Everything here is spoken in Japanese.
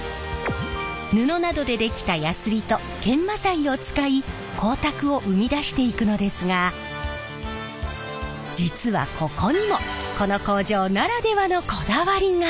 布などで出来たヤスリと研磨剤を使い光沢を生み出していくのですが実はここにもこの工場ならではのこだわりが。